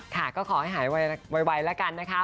ค่ะก็ขอให้หายวัยละกันนะครับ